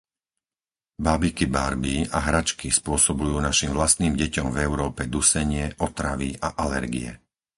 Bábiky Barbie a hračky spôsobujú našim vlastným deťom v Európe dusenie, otravy a alergie.